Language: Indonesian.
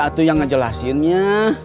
itu yang ngejelasinnya